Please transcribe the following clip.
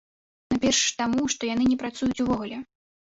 Найперш таму, што яны не працуюць ўвогуле.